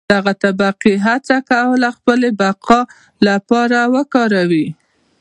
دغه طبقې هڅه کوله خپلې بقا لپاره وکاروي.